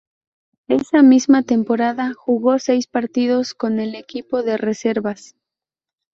Esa misma temporada, jugó seis partidos con el equipo de reservas.